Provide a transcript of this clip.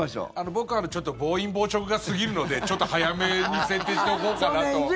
僕は暴飲暴食がすぎるのでちょっと早めに設定しておこうかなと。